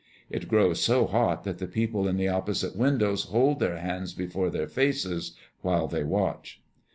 It grows so hot that the people in the opposite windows hold their hands before their faces, while they watch.